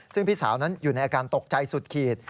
ซึ่งพี่สาวนั้นอยู่ในอาการตกใจสุดขีด